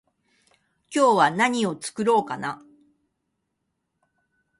今日は何を作ろうかな？